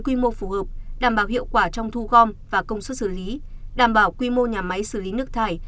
quy mô phù hợp đảm bảo hiệu quả trong thu gom và công suất xử lý đảm bảo quy mô nhà máy xử lý nước thải